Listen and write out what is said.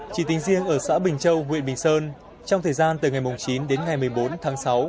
chỉ tính riêng ở xã bình châu huyện bình sơn trong thời gian từ ngày chín đến ngày một mươi bốn tháng sáu